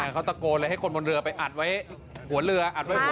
เขาตะโกลเลยให้คนบนเรืออัดไว้หัวเรือ